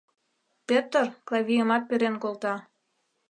Пӧтыр Клавийымат перен колта.